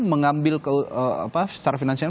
mengambil secara finansial